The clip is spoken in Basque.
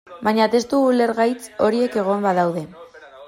Baina testu ulergaitz horiek egon badaude.